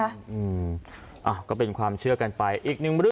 อ่าก็เป็นความเชื่อกันไปอีกหนึ่ง